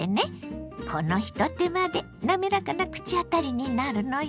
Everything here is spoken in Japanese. このひと手間でなめらかな口当たりになるのよ。